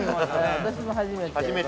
◆私も初めて。